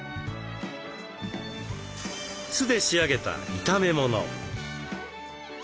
酢で仕上げた炒め物。